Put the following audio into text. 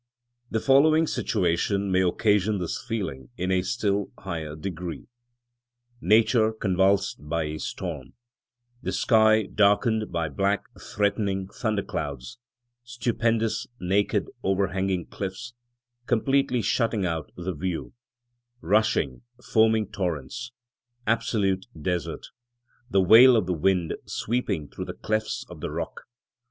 The following situation may occasion this feeling in a still higher degree: Nature convulsed by a storm; the sky darkened by black threatening thunder clouds; stupendous, naked, overhanging cliffs, completely shutting out the view; rushing, foaming torrents; absolute desert; the wail of the wind sweeping through the clefts of the rocks.